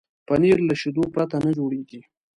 پنېر له شيدو پرته نه جوړېږي.